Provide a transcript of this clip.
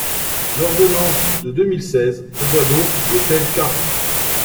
L’ordonnance de deux mille seize prévoit donc de tels cas.